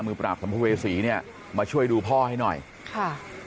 ปราบสัมภเวษีเนี่ยมาช่วยดูพ่อให้หน่อยค่ะ